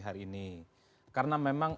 hari ini karena memang